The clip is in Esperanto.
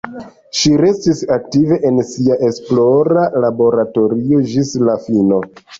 Ŝi restis aktiva en sia esplora laboratorio ĝis la fino.